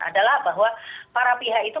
adalah bahwa para pihak itu